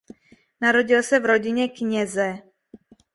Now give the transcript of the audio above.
Narodil se v rodině kněze.